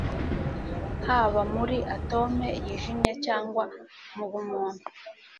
Haba muri atome yijimye cyangwa mubumuntu